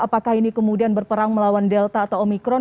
apakah ini kemudian berperang melawan delta atau omikron